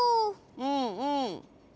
うんうん！